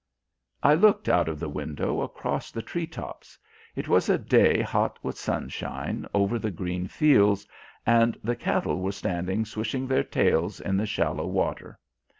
I looked out of the window across the tree tops. It was a day hot with sunshine over the green fields, and the cattle were standing swishing their tails in the shallow water.